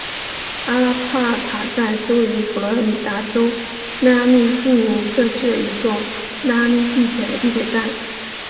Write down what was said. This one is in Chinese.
阿拉帕塔站是位于佛罗里达州迈阿密近邻社区的一座迈阿密地铁的地铁站。